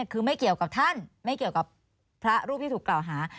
คือไม่เกี่ยวกับท่านไม่เกี่ยวกับพระรูปที่ถูกกล่าวหา